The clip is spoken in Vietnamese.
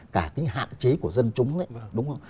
cả cái hạn chế của dân chúng đấy